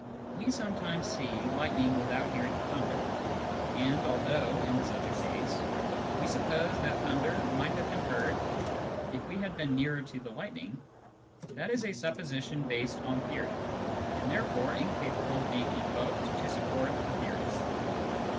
We sometimes see lightning without hearing thunder ; and although, in such a case, wc suppose that thunder might have been heard if we had been nearer to the lightning, that is a supposition based on theory, and therefore incapable of being invoked to support the theory.